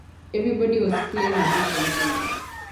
Everybody was playing a different thing.